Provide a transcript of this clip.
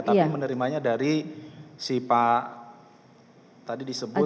tapi menerimanya dari si pak tadi disebut